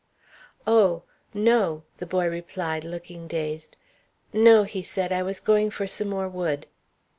"Oh! no!" the boy replied, looking dazed. "No," he said; "I was going for some more wood."